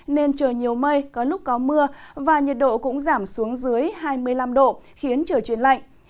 nên trời nhiều mây có lúc có mưa và nhiệt độ cũng giảm xuống dưới hai mươi năm độ khiến trời chuyển lạnh